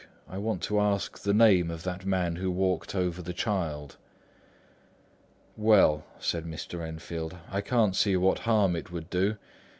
I want to ask the name of that man who walked over the child." "Well," said Mr. Enfield, "I can't see what harm it would do.